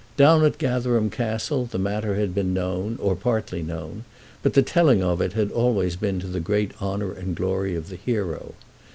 Down at Gatherum Castle the matter had been known, or partly known, but the telling of it had always been to the great honour and glory of the hero.